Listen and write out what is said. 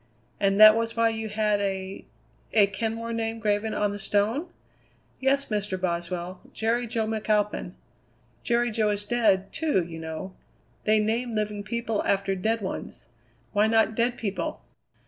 "And that was why you had a a Kenmore name graven on the stone?" "Yes, Mr. Boswell, Jerry Jo McAlpin. Jerry Jo is dead, too, you know. They name living people after dead ones. Why not dead people?"